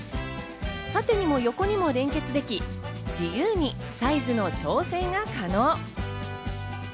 縦にも横にも連結でき、自由にサイズの調整が可能。